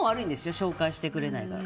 紹介してくれないから。